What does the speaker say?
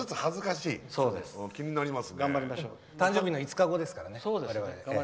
誕生日の５日後ですからね。